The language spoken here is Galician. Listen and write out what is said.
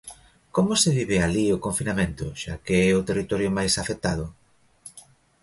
Como se vive alí o confinamento, xa que é o territorio máis afectado?